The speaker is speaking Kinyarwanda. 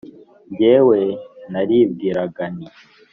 Jyewe naribwiraga nti